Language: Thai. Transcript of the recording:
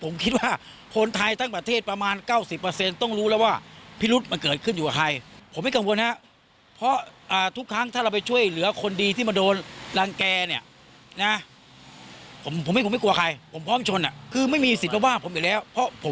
มาว่าผมได้นี่ขนกไม่ใช่โจรส่ะ